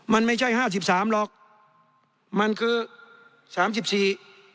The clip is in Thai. มันไม่ใช่ห้าสิบสามหรอกมันคือสามสิบสี่